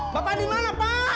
bapak dimana pak